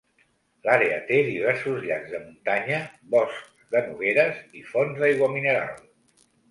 L'àrea té diversos llacs de muntanya, boscs de nogueres i fonts d'aigua mineral.